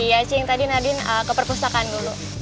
iya ching tadi nadine ke perpustakaan dulu